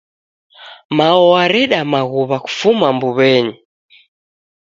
Mao wareda maghuw'a kufuma mbuwenyi